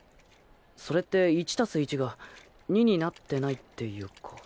それって１足す１が２になってないっていうか。